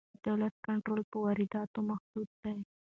د دولت کنټرول پر وارداتو محدود دی.